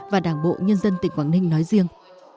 và đảng bộ nhân dân tỉnh quảng ninh nói riêng